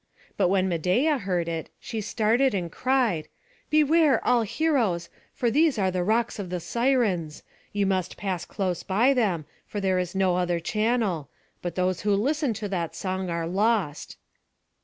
But when Medeia heard it, she started, and cried: "Beware, all heroes, for these are the rocks of the Sirens. You must pass close by them, for there is no other channel; but those who listen to that song are lost."